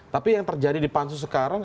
tapi yang terjadi di pansus sekarang